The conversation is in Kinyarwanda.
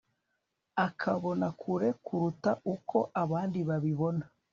akabona kure kuruta uko abandi babibona